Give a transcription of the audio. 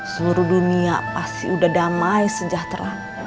seluruh dunia pasti udah damai sejahtera